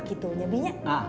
gitu ya binya